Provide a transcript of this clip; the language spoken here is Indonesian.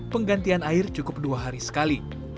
penggantian air cukup dua hari sekali